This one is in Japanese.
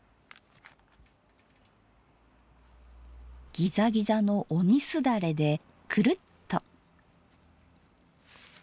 ギザギザの鬼すだれでくるっと。